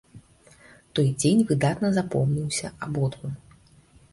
Той дзень выдатна запомніўся абодвум.